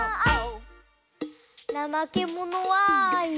はい。